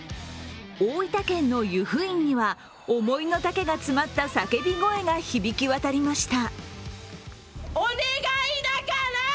大分県の湯布院には、思いの丈が詰まった叫び声が響き渡りました。